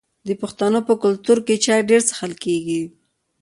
د پښتنو په کلتور کې چای ډیر څښل کیږي.